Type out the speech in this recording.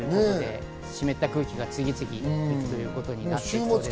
湿った空気が次々やってくるということになります。